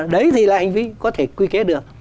đấy thì là hành vi có thể quy kết được